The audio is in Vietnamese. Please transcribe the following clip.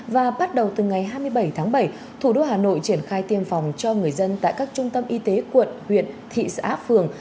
và bắt đầu từ ngày hai mươi bảy tháng bảy thủ đô hà nội triển khai tiêm phòng cho người dân tại các trung tâm y tế quận huyện thị xã phường